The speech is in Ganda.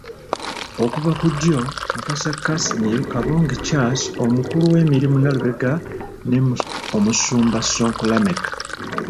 Okuva ku ddyo, Mukasa Casmir, Kabonge Charles, Omukulu w'emirimu Nalubega ne Omusumba Ssonko Lameck.